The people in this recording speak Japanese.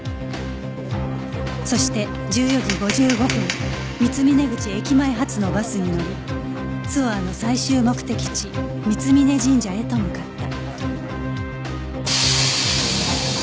そして１４時５５分三峰口駅前発のバスに乗りツアーの最終目的地三峯神社へと向かった